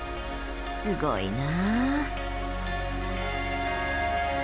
すごいなぁ。